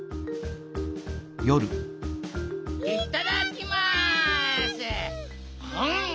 いただきます！